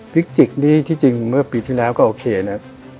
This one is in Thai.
พิจิกนี่ที่จริงเมื่อปีที่แล้วก็โอเคนะ